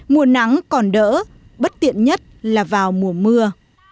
mùa nắng còn đỡ bất tiện nhất là vào mùa mưa